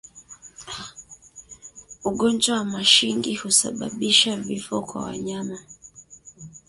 Ugonjwa wa mashingi husababisha vifo kwa wanyama